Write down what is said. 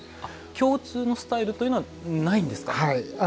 共通のスタイルというのはないんですか？